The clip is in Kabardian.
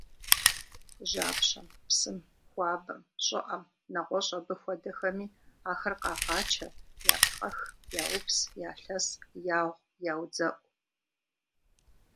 Жьапщэм, псым, хуабэм, щIыIэм, нэгъуэщI абы хуэдэхэми ахэр къагъачэ, япхъэх, яупс, ялъэс, ягъу, яудзэIу.